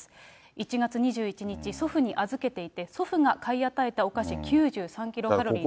１月２１日、祖父に預けていて、祖父が買い与えたお菓子９３キロカロリーのみ。